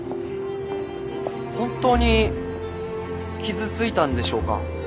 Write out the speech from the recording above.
本当に傷ついたんでしょうか。